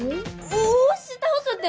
お押し倒すって！